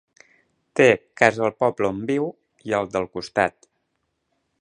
Té casa al poble on viu i al del costat.